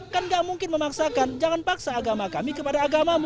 kan gak mungkin memaksakan jangan paksa agama kami kepada agamamu